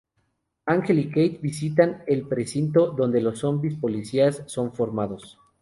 Ángel y Kate visitan el precinto donde los zombies policías son formados.